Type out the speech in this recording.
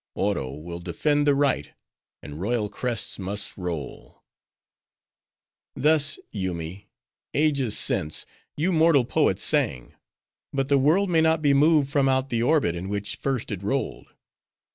Oro will defend the right, and royal crests must roll." "Thus, Yoomy, ages since, you mortal poets sang; but the world may not be moved from out the orbit in which first it rolled.